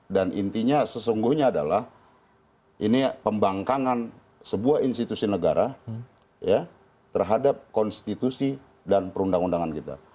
dan intinya sesungguhnya adalah ini pembangkangan sebuah institusi negara terhadap konstitusi dan perundang undangan kita